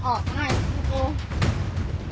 โทษค่ะโอ๊ค